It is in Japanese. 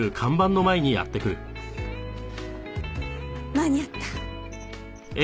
間に合った。